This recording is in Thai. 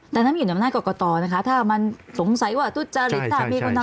แต่นั้นอยู่ในบรรณาเกาะเกาะต่อนะคะถ้ามันสงสัยว่าตู้จริต